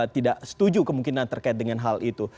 tidak setuju kemungkinan terkait dengan hal itu